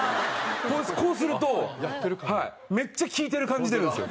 こうするとめっちゃ聞いてる感じ出るんですよ。